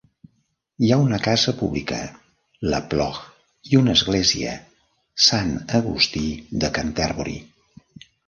Hi ha una casa pública, "la Plough" i una església, "Sant Agustí de Canterbury".